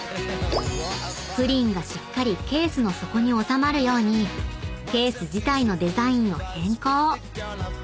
［プリンがしっかりケースの底に納まるようにケース自体のデザインを変更］